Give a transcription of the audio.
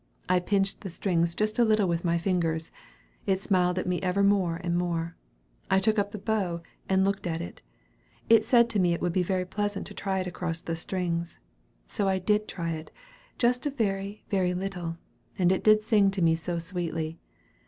I pinched the strings just a little with my fingers. It smiled at me ever more and more. I took up the bow and looked at it. It said to me it would be pleasant to try it across the strings. So I did try it, just a very, very little, and it did sing to me so sweetly.